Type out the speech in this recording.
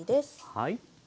はい。